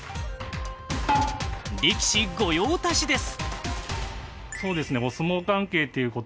力士御用達です。